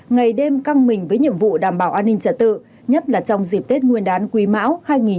ngày đêm căng mình với nhiệm vụ đảm bảo an ninh trật tự nhất là trong dịp tết nguyên đán quý mão hai nghìn hai mươi bốn